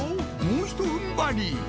もうひと踏ん張り！